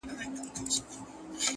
گراني شاعري دغه واوره ته؛